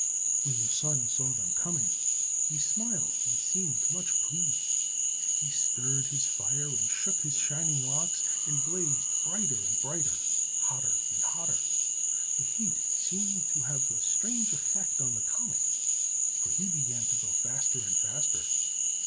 When the Sun saw them coming, he smiled and seemed much pleased. He stirred his fire, and shook his shining locks, and blazed brighter and brighter, hotter and hotter. The heat seemed to have a strange effect on the comet, for he began to go faster and faster.